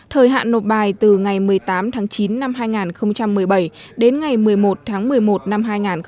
thời hạn nộp bài từ ngày một mươi tám tháng chín năm hai nghìn một mươi bảy đến ngày một mươi một tháng một mươi một năm hai nghìn một mươi tám